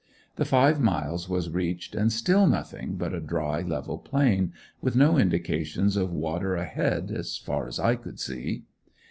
The five miles was reached and still nothing but a dry, level plain, with no indications of water ahead, as far as I could see.